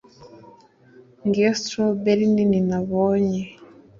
Ngiyo strawberry nini nabonye